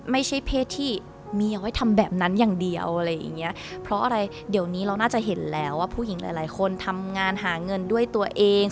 ไม่ใช่เพศที่มีเอาไว้ทำแบบนั้นอย่างเดียวอะไรอย่างเงี้ยเพราะอะไรเดี๋ยวนี้เราน่าจะเห็นแล้วว่าผู้หญิงหลายหลายคนทำงานหาเงินด้วยตัวเอง